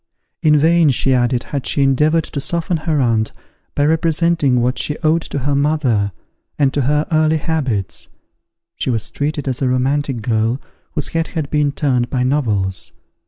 In vain, she added, had she endeavoured to soften her aunt, by representing what she owed to her mother, and to her early habits; she was treated as a romantic girl, whose head had been turned by novels.